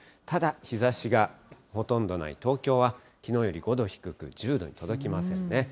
ただ、日ざしがほとんどない東京は、きのうより５度低く、１０度に届きませんね。